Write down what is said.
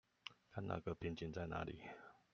看那個瓶頸在哪裡